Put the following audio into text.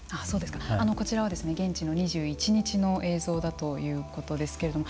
こちらは現地の２１日の映像だということですけれども。